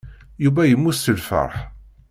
Yuba yemmut seg lfeṛḥ.